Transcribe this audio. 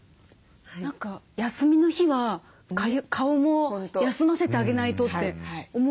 何か休みの日は顔も休ませてあげないとって思うんですけど違うんですね。